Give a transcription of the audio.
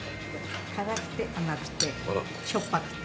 辛くて甘くてしょっぱくて。